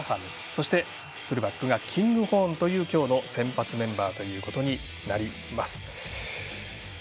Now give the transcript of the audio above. そしてフルバックがキングホーンという今日の先発メンバーとなります。